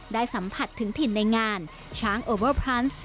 ได้สัมผัสถึงถิ่นในงานช้างโอเวอร์พรัส